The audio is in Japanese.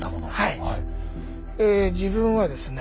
自分はですね